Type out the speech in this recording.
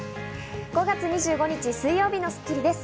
５月２５日、水曜日の『スッキリ』です。